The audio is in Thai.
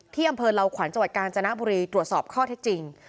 ที่อำเภอลาขวรรดิการแล้วควรจังหวัดกาญจนบุรีตรวจสอบข้อเท็จจริง